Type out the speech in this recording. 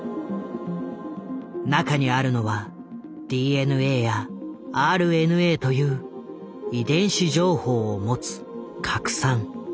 中にあるのはＤＮＡやＲＮＡという遺伝子情報を持つ「核酸」。